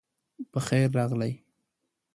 پخیر راغلی